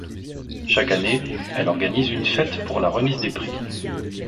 Chaque année elle organise une fête pour la remise des prix.